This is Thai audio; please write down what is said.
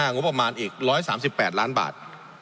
งบประมาณอีก๑๓๘ล้านบาท